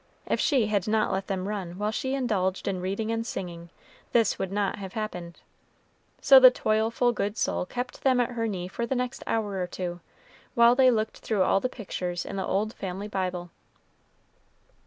If she had not let them run while she indulged in reading and singing, this would not have happened. So the toilful good soul kept them at her knee for the next hour or two, while they looked through all the pictures in the old family Bible.